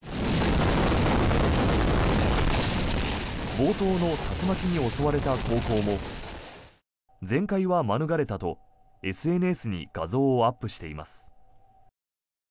冒頭の竜巻に襲われた高校も全壊は免れたと、ＳＮＳに画像をアップしています。